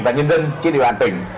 và nhân dân trên địa bàn tỉnh